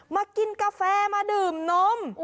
มากินกาแฟมาดื่มนม